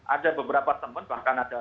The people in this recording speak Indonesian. ada beberapa teman bahkan ada